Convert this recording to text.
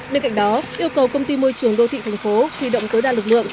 bên cạnh đó yêu cầu công ty môi trường đô thị tp thuy động tối đa lực lượng